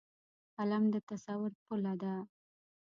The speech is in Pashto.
قلم د تصور پله ده